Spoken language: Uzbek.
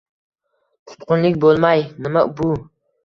Tutqunlik bo‘lmay, nima bu?